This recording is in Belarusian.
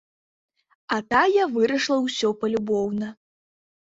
А тая вырашыла ўсё палюбоўна.